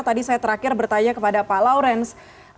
tadi saya terakhir bertanya kepada pak lawrence